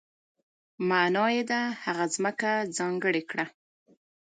معنا یې ده هغه ځمکه ځانګړې کړه.